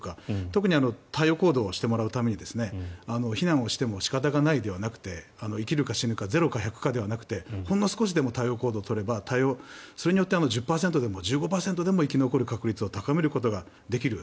特に対応行動をしてもらうために避難をしても仕方がないではなくて生きるか死ぬかゼロか百かではなくてほんの少しでも対応行動を取れば１０％でも１５％でも生き残る確率を高めることができる。